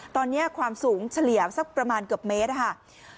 ตอนนี้ความสูงเฉลี่ยสักประมาณเกือบเมตรค่ะ